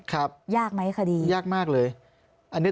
ครับยากไหมคดียากนี้